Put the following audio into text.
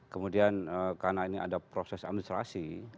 kemudian karena ini ada proses administrasi